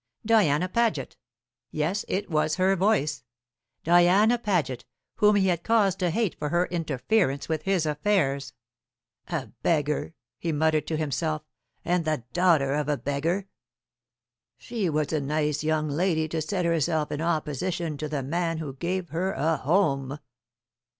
Diana Paget! Yes, it was her voice. Diana Paget, whom he had cause to hate for her interference with his affairs. "A beggar," he muttered to himself, "and the daughter of a beggar! She was a nice young lady to set herself in opposition to the man who gave her a home."